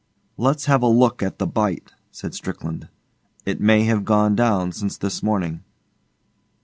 'Let's have a look at the bite,' said Strickland. 'It may have gone down since this morning.